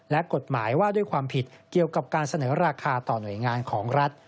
และกฎหมายว่าด้วยความผิดเกี่ยวกับการเสนอราคาต่อหน่วยงานของรัฐ